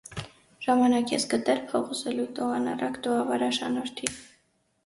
Ժամանակ ես գտե՞լ փող ուզելու, տո անառակ, տո ավարա շանորդի: